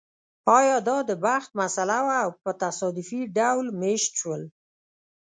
ایا دا د بخت مسئله وه او په تصادفي ډول مېشت شول